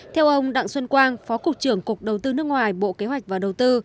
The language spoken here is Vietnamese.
theo ông đặng xuân quang phó cục trưởng cục đầu tư nước ngoài bộ kế hoạch và đầu tư